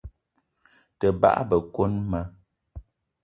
Te bagbe koni ma.